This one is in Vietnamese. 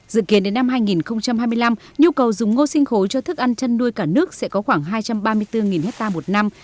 dự kiến đến năm hai nghìn hai mươi năm nhu cầu dùng ngô sinh khối cho thức ăn chăn nuôi cả nước sẽ có khoảng hai trăm ba mươi bốn hectare một năm